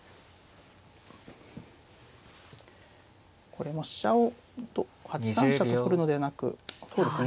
これも飛車を８三飛車と取るのではなくそうですね